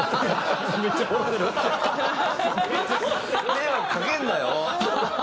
迷惑かけるなよ！